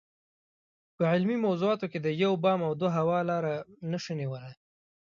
په علمي موضوعاتو کې د یو بام او دوه هوا لاره نشو نیولای.